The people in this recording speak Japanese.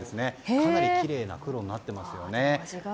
かなりきれいな黒になっていますね。